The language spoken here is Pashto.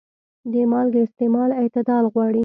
د مالګې استعمال اعتدال غواړي.